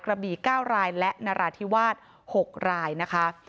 กระบี่๙รายและนราธิวาส๖รายนะคะ